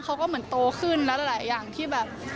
เขาก็เหมือนโตขึ้นแล้วหลายอย่างที่แบบ